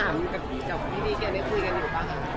มากกว่าถามกับพี่บิ๊กแกได้คุยกันอยู่ป่ะค่ะ